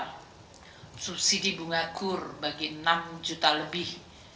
subsidi bunga kur bagi enam juta lebih